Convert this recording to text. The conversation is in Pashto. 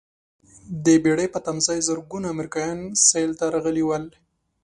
د بېړۍ په تمځاې زرګونه امریکایان سیل ته راغلي ول.